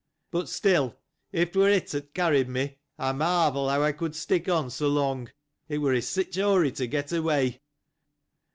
But still, if it was it, that carried me, I mai vel how I could stick on so long, it was in such a hurry to get away.